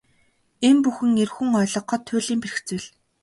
Энэ бүхэн эр хүн ойлгоход туйлын бэрх зүйл.